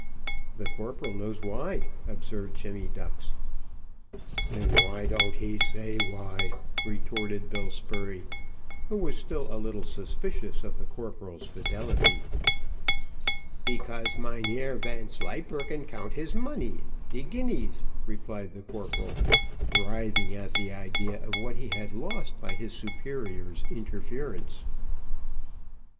"The corporal knows why," observed Jemmy Ducks. "Then why don't he say why?" retorted Bill Spurey, who was still a little suspicious of the corporal's fidelity. "Because Mynheer Vanslyperken count his money de guineas," replied the corporal, writhing at the idea of what he had lost by his superior's interference.